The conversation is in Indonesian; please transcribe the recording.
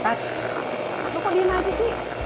pat lu kok diam diam sih